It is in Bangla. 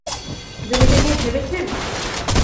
জমিটা নিয়ে ভেবেছেন?